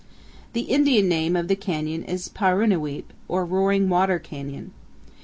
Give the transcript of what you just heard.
The Indian name of the canyon is Paru'nuweap, or Roaring Water Canyon.